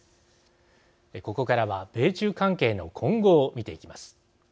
ここからは米中関係の今後を見ていきます。